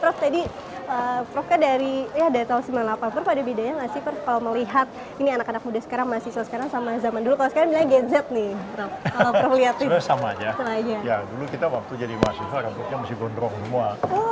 sampai jumpa di video selanjutnya